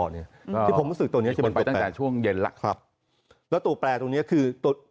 ที่ผมรู้สึกว่าตัวนี้จะเป็นตัวแปรและตัวแปรตัวนี้คือ